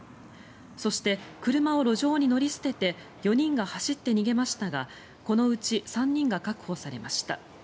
そして、車を路上に乗り捨てて４人が走って逃げましたがこのうち３人が確保されました。